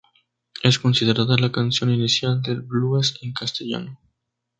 Es considerada la canción inicial del blues en castellano.